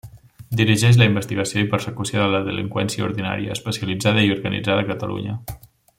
Dirigeix la investigació i persecució de la delinqüència ordinària, especialitzada i organitzada a Catalunya.